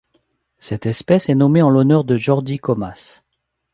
Cette espèce est nommée en l'honneur de Jordi Comas.